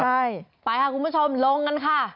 ใช่ไปค่ะคุณผู้ชมลงกันค่ะ